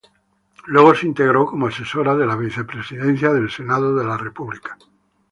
Luego se integró como asesora de la Vicepresidencia del Senado de la República.